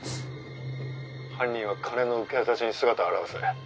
犯人は金の受け渡しに姿を現す。